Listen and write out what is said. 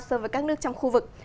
so với các nước trong khu vực